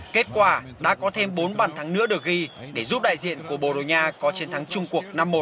kết quả đã có thêm bốn bàn thắng nữa được ghi để giúp đại diện của bồn nha có chiến thắng chung cuộc năm một